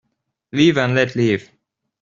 Live and let live.